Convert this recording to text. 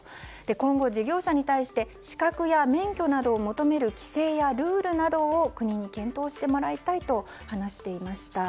今後、事業者に対して資格や免許などを求める規制やルールなどを国に検討してもらいたいと話していました。